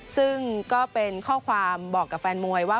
ซึ่งก็เป็นข้อความบอกกับแฟนมวยว่า